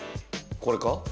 これか？